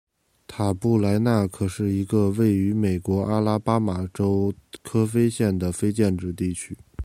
塔布莱纳可是一个位于美国阿拉巴马州科菲县的非建制地区。